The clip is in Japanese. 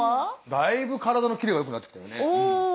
だいぶ体のキレがよくなってきたよね！